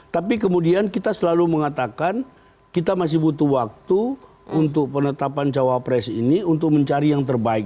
tapi kemudian kita selalu mengatakan kita masih butuh waktu untuk penetapan cawapres ini untuk mencari yang terbaik